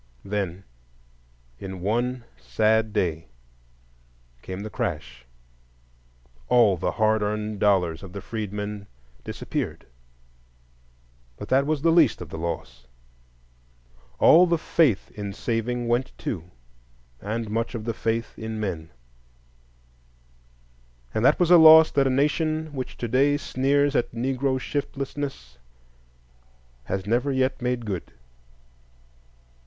Then in one sad day came the crash,—all the hard earned dollars of the freedmen disappeared; but that was the least of the loss,—all the faith in saving went too, and much of the faith in men; and that was a loss that a Nation which to day sneers at Negro shiftlessness has never yet made good.